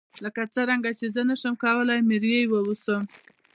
لکه څنګه چې زه نشم کولای چې مریی واوسم.